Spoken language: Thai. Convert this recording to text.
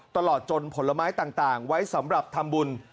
ตลอดจนผลไม้ต่างไว้สำหรับทำบุญ